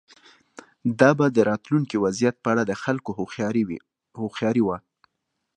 دا به د راتلونکي وضعیت په اړه د خلکو هوښیاري وه.